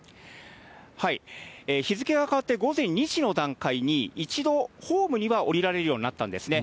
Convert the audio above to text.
日付が変わって午前２時の段階に、一度ホームには降りられるようになったんですね。